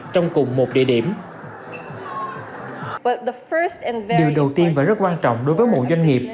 trong cùng một địa điểm